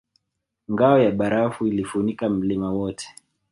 Ngao ya barafu ilifunika mlima wote